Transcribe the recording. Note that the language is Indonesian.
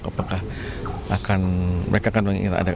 mereka akan bersekusi dengan pihak pemerintah depok